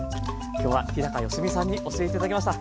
今日は日良実さんに教えて頂きました。